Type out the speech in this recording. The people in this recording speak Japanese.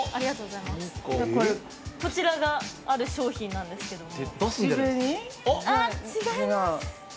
◆こちらが、ある商品なんですけども。